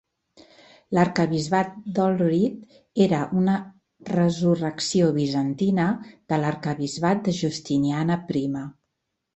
L'arquebisbat d'Ohrid era una resurrecció bizantina de l'arquebisbat de Justiniana Prima.